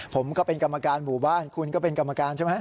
ผมก็เป็นกรรมการหมู่บ้านคุณก็เป็นกรรมการใช่ไหม